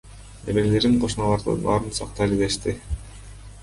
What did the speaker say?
Неберелерим кошуналарды барып сактайлы дешти.